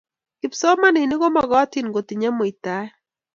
kipsomaninik komokotin kotinyei muitaet